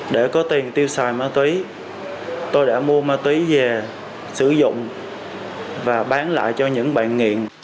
để có tiền tiêu xài ma túy tôi đã mua ma túy về sử dụng và bán lại cho những bạn nghiện